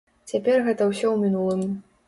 Цяпер гэта ўсё ў мінулым.